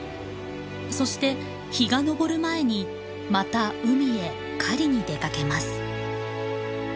そして日が昇る前にまた海へ狩りに出かけます。